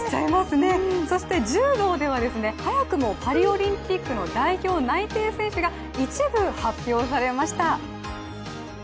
そして柔道では早くもパリオリンピックの代表内定選手が一部発表されました。